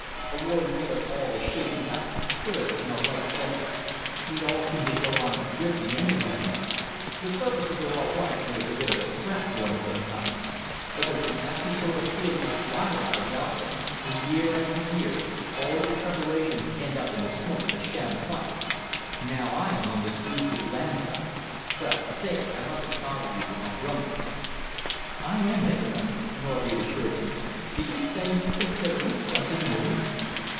A war would give us all a shaking up put us in our right places. We all seem to go on drifting any way now. The Services are all right when there's a bit of a scrap going sometimes, but there's a nasty sort of feeling of dry rot about them, when year after year all your preparations end in the smoke of a sham fight. Now I am on this beastly land job but there, I mustn't bother you with my grumblings." "I am interested," Norgate assured him. "Did you say you were considering something new?"